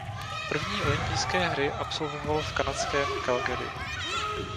První olympijské hry absolvoval v kanadském Calgary.